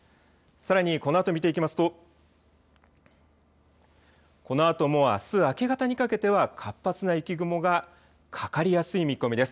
さらにこのあと見ていきますとこのあともあす明け方にかけては活発な雪雲がかかりやすい見込みです。